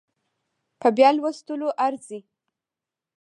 په بيا لوستو ارزي